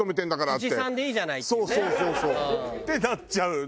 ってなっちゃうのが。